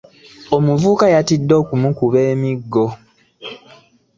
Omuvubuka yatidde okumukuba emiggo.